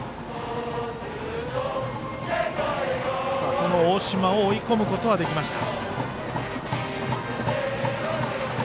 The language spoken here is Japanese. その大島を追い込むことはできました。